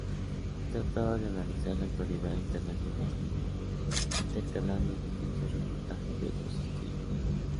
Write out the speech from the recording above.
Trataba de analizar la actualidad internacional con humor, intercalando distintos reportajes de otros estilos.